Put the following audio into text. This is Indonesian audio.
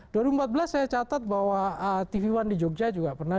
dua ribu empat belas saya catat bahwa tv one di jogja juga pernah